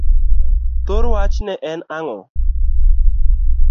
thor wach ne en ango?